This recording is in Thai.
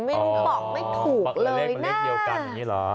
มันบอกไม่ถูกเลยนะ